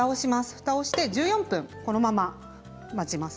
ふたをして１４分そのまま待ちます。